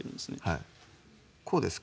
はいこうですか？